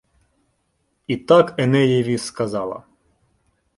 І так Енеєві сказала: